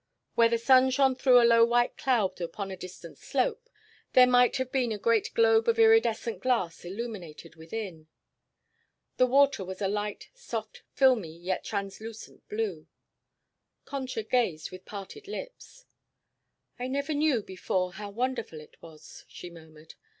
Where the sun shone through a low white cloud upon a distant slope there might have been a great globe of iridescent glass illuminated within. The water was a light, soft, filmy yet translucent blue. Concha gazed with parted lips. "I never knew before how wonderful it was," she murmured.